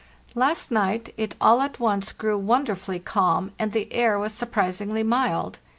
"Last night it all at once grew wonderfully calm, and the air was surprisingly mild.